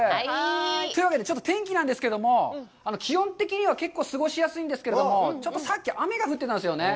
というわけで天気なんですけれども、気温的には結構過ごしやすいんですが、ちょっと、さっき、雨が降ってたんですよね。